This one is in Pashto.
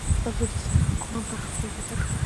ستاسو د سر کومه برخه خوږ یا درد لري؟